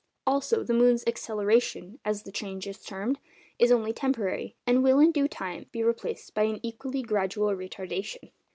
Also the moon's acceleration, as the change is termed, is only temporary, and will in due time be replaced by an equally gradual retardation.